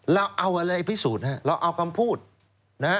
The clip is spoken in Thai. เราเอาอะไรพิสูจน์นะฮะเราเอาคำพูดนะฮะ